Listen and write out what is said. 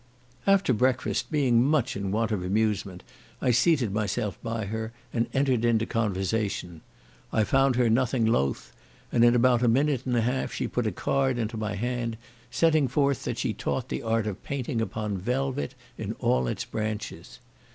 After breakfast, being much in want of amusement, I seated myself by her, and entered into conversation. I found her nothing loth, and in about a minute and a half she put a card into my hand, setting forth, that she taught the art of painting upon velvet in all its branches.